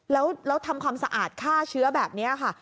แล้วทำความสะอาดฆ่าเชื้อแบบนี้ค่ะ